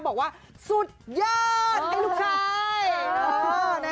บอกว่าสุดยอดให้ลูกชาย